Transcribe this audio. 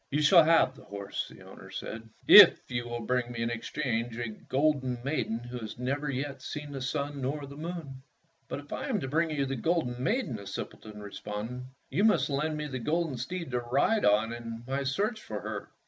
"You shall have the horse," the owner said, "if you will bring me in exchange a golden maiden who has never yet seen either the sun or the moon." "But if I am to bring you the golden maiden," the simpleton responded, "you must lend me the golden steed to ride on in my search for her."